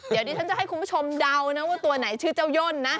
เดี๋ยวดิฉันจะให้คุณผู้ชมเดานะว่าตัวไหนชื่อเจ้าย่นนะ